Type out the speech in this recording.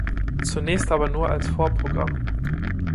Zunächst aber nur als Vorprogramm.